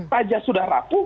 pajak sudah rapuh